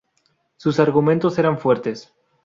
Sus argumentos eran fuertes.